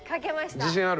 自信ある？